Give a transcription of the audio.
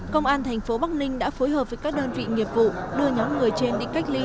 công an thành phố bắc ninh đã phối hợp với các đơn vị nghiệp vụ đưa nhóm người trên đi cách ly